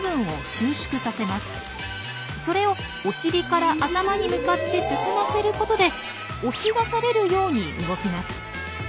それをお尻から頭に向かって進ませることで押し出されるように動きます。